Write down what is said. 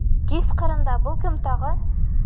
Кис ҡырында был кем тағы?